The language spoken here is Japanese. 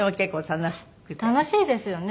楽しいですよね。